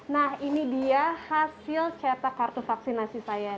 nah ini dia hasil cetak kartu vaksinasi saya